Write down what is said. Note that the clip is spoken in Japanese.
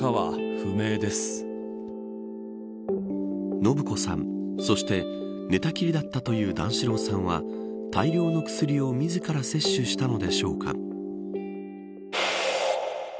延子さん、そして寝たきりだったという段四郎さんは大量の薬を自ら摂取したのでしょうか。